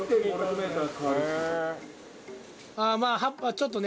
あぁまぁちょっとね